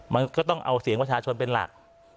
มันก็ต้องเอาเสียงประชาชนเป็นหลัก